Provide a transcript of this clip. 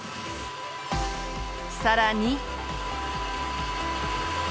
さらに。